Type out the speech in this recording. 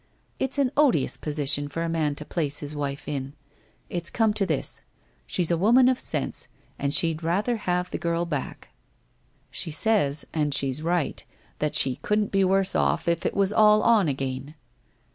It's an odious position for a man to place his wife in. It's come to this : she's a woman of sense, and she'd rather have the girl back. She says, and she's right, that she couldn't be worse off if it was all on again